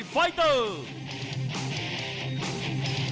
กรรมการเตือนทั้งคู่ครับ๖๖กิโลกรัม